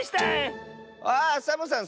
ああっサボさん